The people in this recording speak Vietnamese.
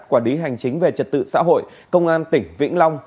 quản lý hành chính về trật tự xã hội công an tỉnh vĩnh long